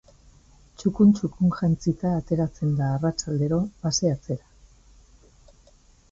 Txukun-txukun jantzita ateratzen da arratsaldero paseatzera.